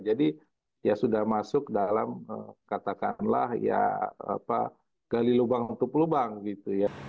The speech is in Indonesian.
jadi ya sudah masuk dalam katakanlah ya gali lubang untuk lubang gitu ya